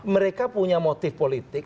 mereka punya motif politik